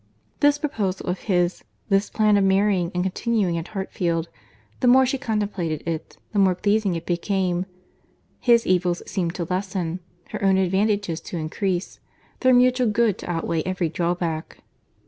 This proposal of his, this plan of marrying and continuing at Hartfield—the more she contemplated it, the more pleasing it became. His evils seemed to lessen, her own advantages to increase, their mutual good to outweigh every drawback.